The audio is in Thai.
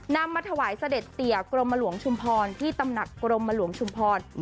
มาถวายเสด็จเตียกรมหลวงชุมพรที่ตำหนักกรมหลวงชุมพร